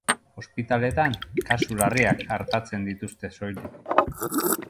Ospitaleetan, kasu larriak artatzen dituzte soilik.